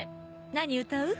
何歌う？